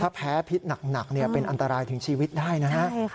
ถ้าแพ้พิษหนักเป็นอันตรายถึงชีวิตได้นะฮะ